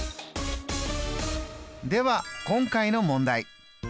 では今回の問題。